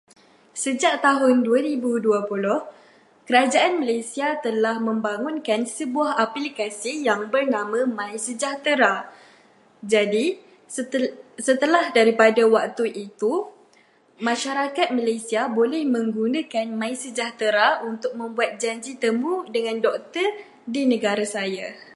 Sejak tahun dua ribu dua puluh, kerajaan Malaysia telah membangunkan sebuah aplikasi yang bernama MySejahtera. Jadi, setelah daripada waktu itu, masyarakat Malaysia boleh menggunakan MySejahtera untuk membuat janji temu dengan doktor di negara saya.